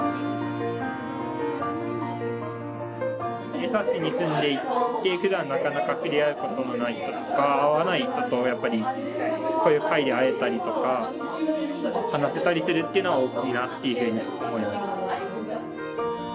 枝幸に住んでいてふだんなかなか触れ合うことのない人とか会わない人とこういう会で会えたりとか話せたりするっていうのは大きいなっていうふうに思います。